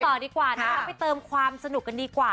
ต่อดีกว่านะคะไปเติมความสนุกกันดีกว่า